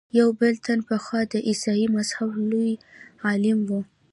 یو بل تن پخوا د عیسایي مذهب لوی عالم و.